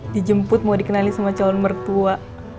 dijemput mau dikenali sama calon mertua